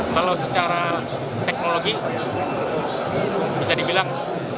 kalau secara teknologi bisa dibilang